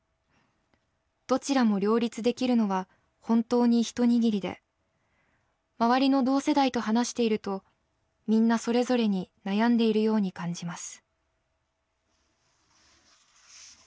どちらもりょうりつできるのは本当に一握りで周りの同世代とはなしているとみんなそれぞれに悩んでいるように感じます」。